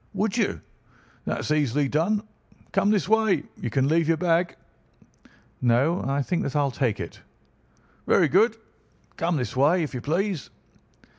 "Would you? That is easily done. Come this way. You can leave your bag." "No, I think that I'll take it." "Very good. Come this way, if you please."